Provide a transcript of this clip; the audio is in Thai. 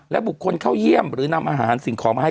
บุคคลเข้าเยี่ยมหรือนำอาหารสิ่งของมาให้